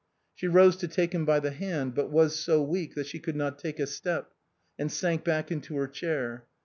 She rose to take him by the hand, but was so weak that she could not take a step, and sank back into her chair.